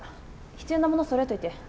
必要なもの揃えといて。